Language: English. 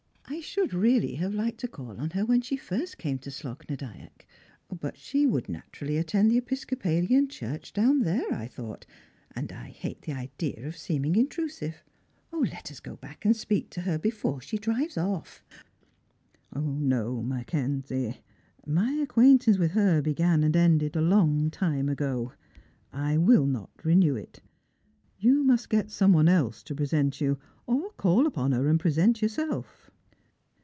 I should really have liked to coll on her wlien she first came to Slogh ua Dyack, but she would naturally attend the Episcopalian church down thei'c, I thought, and I hate the idea of seeming intrusive, Let us go back and speak to her before she drives off." Strangers and Pilgrims. 285 "No, Mackenzie. My acquaintance with her began and ended a long time ago. I will not renew it. You must get some one else to present you, or call upon her and present your Belf."